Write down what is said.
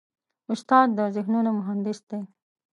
استاد د ذهنونو مهندس دی.